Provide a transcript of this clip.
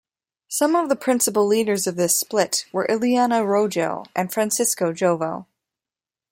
Some of the principal leaders of this split were Ileana Rogel and Francisco Jovel.